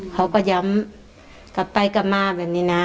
เขาก็ย้ำกลับไปกลับมาแบบนี้นะ